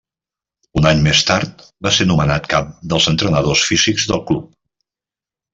Un any més tard va ser nomenat cap dels entrenadors físics del club.